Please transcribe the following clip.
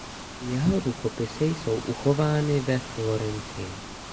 Jeho rukopisy jsou uchovány ve Florencii.